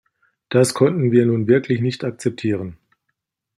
Das konnten wir nun wirklich nicht akzeptieren.